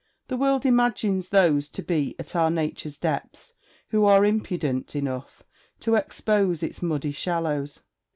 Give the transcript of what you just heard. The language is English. The world imagines those to be at our nature's depths who are impudent enough to expose its muddy shallows.